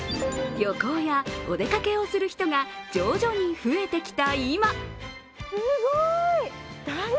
旅行やお出かけをする人が徐々に増えてきた